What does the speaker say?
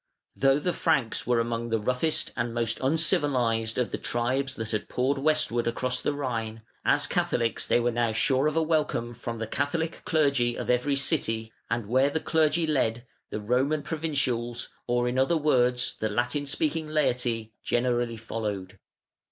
Though the Franks were among the roughest and most uncivilised of the tribes that had poured westwards across the Rhine, as Catholics they were now sure of a welcome from the Catholic clergy of every city, and where the clergy led, the "Roman" provincials, or in other words the Latin speaking laity, generally followed.